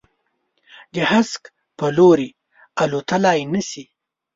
د هسک په لوري، الوتللای نه شي